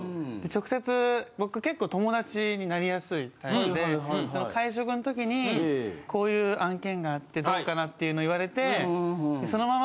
直接僕結構友達になりやすいタイプでその会食の時に「こういう案件があってどうかな」っていうの言われて。